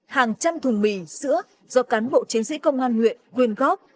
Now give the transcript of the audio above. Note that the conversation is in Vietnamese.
hàng trăm thùng mì sữa do cán bộ chiến sĩ công an huyện quyên góp